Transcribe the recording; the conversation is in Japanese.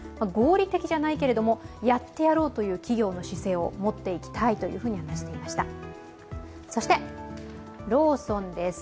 合理的じゃないけれども、やってやろうという企業の姿勢を持っていきたいと話していました。